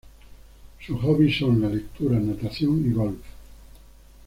Sus hobbies son la lectura, natación y golf.